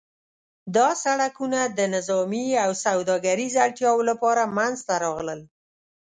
دا سړکونه د نظامي او سوداګریز اړتیاوو لپاره منځته راغلل.